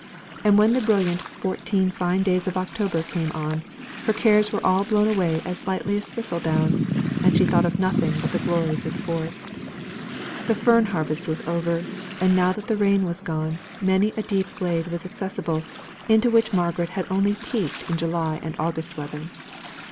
And when the brilliant fourteen fine days of October came on, her cares were all blown away as lightly as thistledown, and she thought of nothing but the glories of the forest. The fern harvest was over; and now that the rain was gone, many a deep glade was accessible, into which Margaret had only peeped in July and August weather.